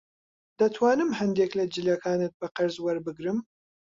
دەتوانم هەندێک لە جلەکانت بە قەرز وەربگرم؟